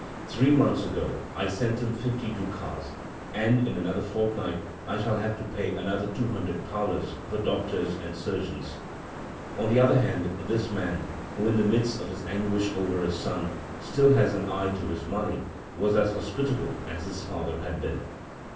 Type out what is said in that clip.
Three months ago I sent him fifty ducats, and in another fort night I shall have to pay another two hundred thalers for doctors and surgeons." On the other hand this man, who in the midst of his anguish over his son stOl has an eye to his money, was as hospitable as his father had been.